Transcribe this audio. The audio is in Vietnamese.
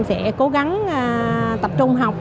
sẽ cố gắng tập trung học